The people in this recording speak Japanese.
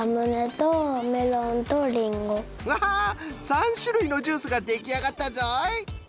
３しゅるいのジュースができあがったぞい。